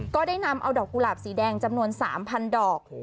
ก็ได้นำเอาดอกกุหลาบสีแดงจำนวน๓๐๐ดอก